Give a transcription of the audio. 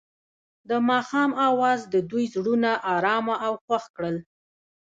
د ماښام اواز د دوی زړونه ارامه او خوښ کړل.